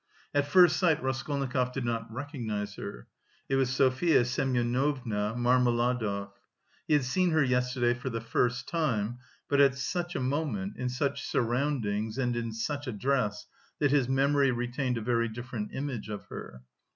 At first sight, Raskolnikov did not recognise her. It was Sofya Semyonovna Marmeladov. He had seen her yesterday for the first time, but at such a moment, in such surroundings and in such a dress, that his memory retained a very different image of her.